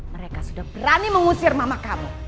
mereka sudah berani mengusir mama kamu